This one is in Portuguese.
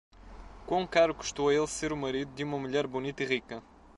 Quão caro custou a ele ser o marido de uma mulher bonita e rica!